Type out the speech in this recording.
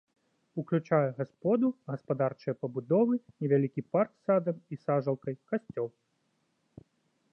Уключае гасподу, гаспадарчыя пабудовы, невялікі парк з садам і сажалкай, касцёл.